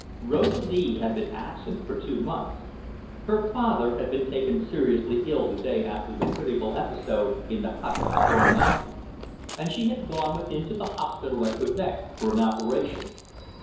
Rosalie had been absent for two months. Her father had been taken seriously ill the day after the critical episode in the but at Vadrome Mountain, and she had gone with him to the hospital at Quebec, for an operation.